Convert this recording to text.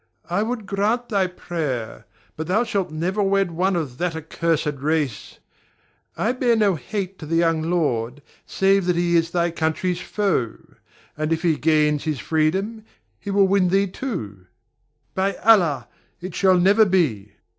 I would grant thy prayer, but thou shalt never wed one of that accursed race. I bear no hate to the young lord, save that he is thy country's foe; and if he gains his freedom, he will win thee too. By Allah! it shall never be.